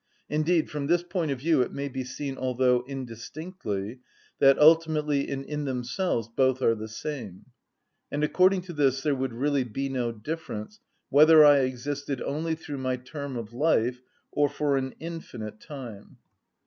Indeed from this point of view it may be seen, although indistinctly, that ultimately and in themselves both are the same; and according to this there would really be no difference whether I existed only through my term of life or for an infinite time.